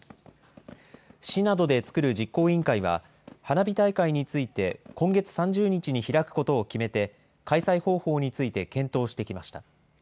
市などでつくる実行委員会は、花火大会について、今月３０日に開くことを決めて、開催方法について検討してきました。